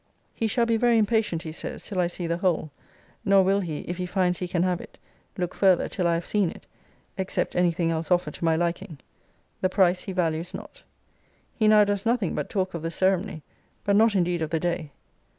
He shall be very impatient, he says, till I see the whole; nor will he, if he finds he can have it, look farther till I have seen it, except any thing else offer to my liking. The price he values not. He now does nothing but talk of the ceremony, but not indeed of the day.